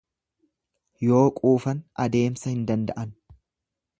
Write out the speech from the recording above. Yoo quufan deemsa hin danda'an.